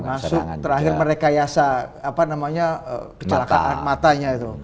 termasuk terakhir mereka yasa apa namanya kecelakaan matanya itu